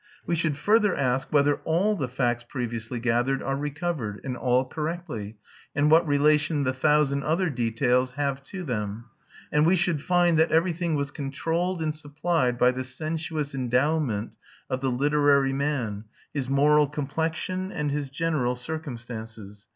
We should further ask whether all the facts previously gathered are recovered, and all correctly, and what relation the "thousand other details" have to them; and we should find that everything was controlled and supplied by the sensuous endowment of the literary man, his moral complexion, and his general circumstances.